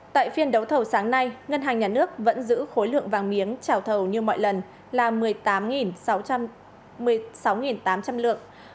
tại phiên đấu thầu sáng nay ngân hàng nhà nước vẫn giữ khối lượng vàng miếng trào thầu như mọi lần là một mươi tám sáu tám trăm linh lượng